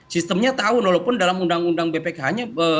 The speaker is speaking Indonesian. sistemnya tahu walaupun dalam undang undang bpkh nya